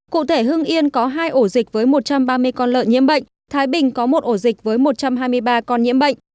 cụ thể hương yên có hai ổ dịch với một trăm ba mươi con lợn nhiễm bệnh thái bình có một ổ dịch với một trăm hai mươi ba con nhiễm bệnh